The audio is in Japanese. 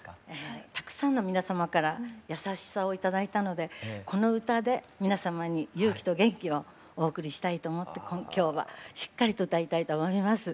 たくさんの皆様から優しさを頂いたのでこの歌で皆様に勇気と元気をお送りしたいと思って今日はしっかりと歌いたいと思います。